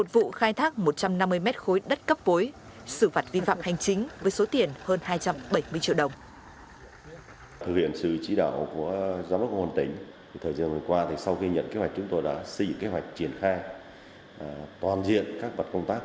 một vụ khai thác granite thu giữ ba bảy m ba một vụ khai thác một trăm năm mươi m ba đất cấp vối